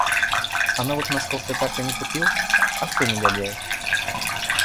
А новых носков ты так и не купил? Ах, ты негодяй!